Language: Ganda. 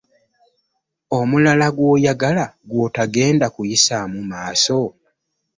Omulala gw'oyagala gw'otogenda kuyisaamu maaso?